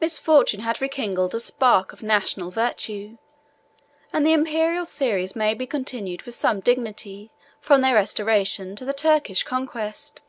Misfortune had rekindled a spark of national virtue; and the Imperial series may be continued with some dignity from their restoration to the Turkish conquest.